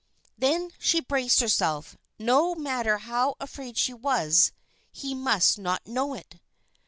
Then she braced herself; no matter how afraid she was, he must not know it.